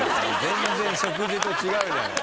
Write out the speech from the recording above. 全然植樹と違うじゃん。